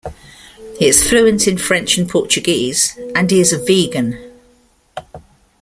He is fluent in French and Portuguese, and he is a vegan.